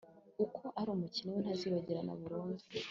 ariko, umukene we ntazibagirana burundu